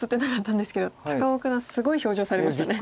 高尾九段すごい表情されましたね。